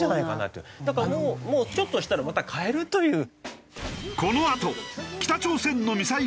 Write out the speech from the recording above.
だからもうちょっとしたらまた買えるという。